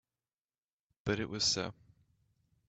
But it was so.